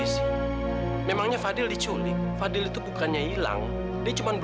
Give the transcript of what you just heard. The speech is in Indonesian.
sampai jumpa di video selanjutnya